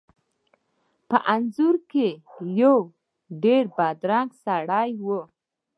په انځور کې یو ډیر بدرنګه سړی و.